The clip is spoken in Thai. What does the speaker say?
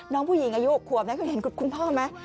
น้องผู้หญิงอายุอบความนะเค้าเห็นคุณพ่อมั้ย